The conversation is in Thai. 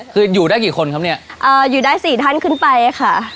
คืออยู่ได้กี่คนครับเนี่ยเอ่ออยู่ได้สี่ท่านขึ้นไปค่ะ